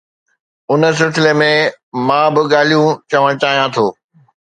ان سلسلي ۾ مان ٻه ڳالهيون چوڻ چاهيان ٿو.